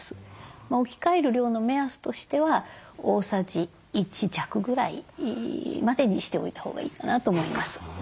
置き換える量の目安としては大さじ１弱ぐらいまでにしておいたほうがいいかなと思います。